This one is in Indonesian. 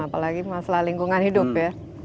apalagi masalah lingkungan hidup ya